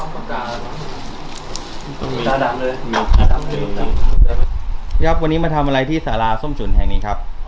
สวัสดีครับวันนี้มาทำอะไรที่สาราส้มฉุนแห่งนี้ครับ